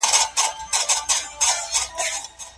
په تحقیق کې هر سند خپل اهمیت لري.